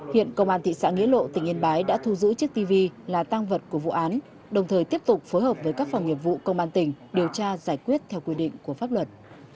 hiện công an thị xã nghĩa lộ tỉnh yên bái đã thu giữ chiếc tivi là tăng vật của vụ án đồng thời tiếp tục phối hợp với các phòng nghiệp vụ công an tỉnh điều tra giải quyết theo quy định của pháp luật